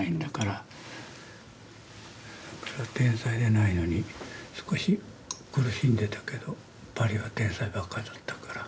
天才じゃないのに少し苦しんでたけどパリは天才ばっかだったから。